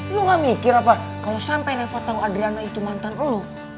lo gak mikir apa kalo sampai reva tau adriana itu mantan lo